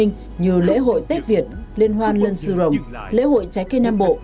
như lễ hội tết việt liên hoan lân sư rồng lễ hội trái cây nam bộ